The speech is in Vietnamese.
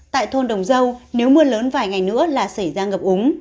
tại thôn đồng dâu nếu mưa lớn vài ngày nữa là xảy ra ngập úng